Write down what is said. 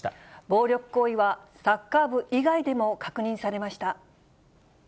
暴力行為はサッカー部以外でも確認されました。